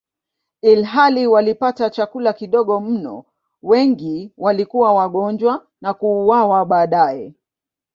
Ilhali walipata chakula kidogo mno, wengi walikuwa wagonjwa na kuuawa baadaye.